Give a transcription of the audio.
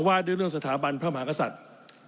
ว่าด้วยเรื่องสถาบันพระมหากษัตริย์